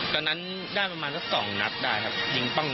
ตอนนั้นได้ประมาณสัก๒นัดได้ครับยิงปั้ง